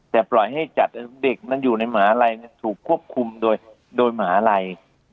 แต่ปล่อยให้จัดเด็กมันอยู่ในหมาลัยถูกควบคุมโดยมหาลัย